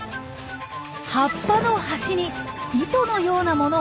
葉っぱの端に糸のようなものを通しています。